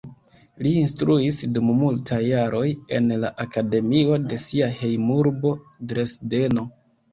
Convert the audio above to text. Li instruis dum multaj jaroj en la akademio de sia hejmurbo, Dresdeno.